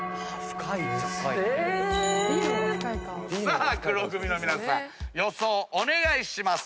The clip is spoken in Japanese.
さあ黒組の皆さん予想をお願いします。